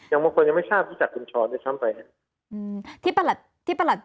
บางคนยังไม่ทราบวิจัยคุณช้อนได้ซ้ำไป